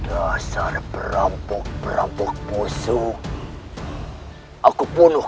dasar berampuk berampuk kampung